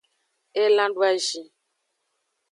Elan doazin.